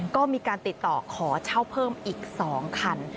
ก็มีการติดต่อขอเช่าเพิ่มอีก๒คัน